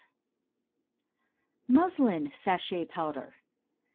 MUSLIN SACHET POWDER.